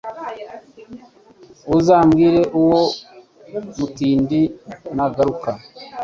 Uzambwire uwo mutindi nagaruka